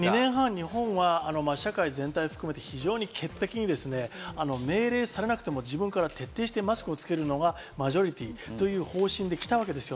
日本は社会全体含めて非常に潔癖に命令されなくても自分から徹底してマスクをつけるのがマジョリティーという方針できたわけです。